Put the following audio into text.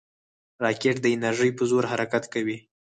راکټ د انرژۍ په زور حرکت کوي